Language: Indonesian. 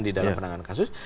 di dalam penanganan kasus